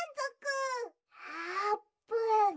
「あーぷん！」。